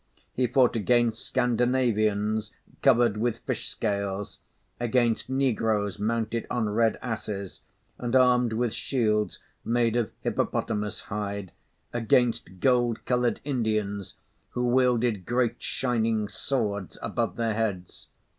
He fought against Scandinavians covered with fish scales, against negroes mounted on red asses and armed with shields made of hippopotamus hide, against gold coloured Indians who wielded great, shining swords above their heads.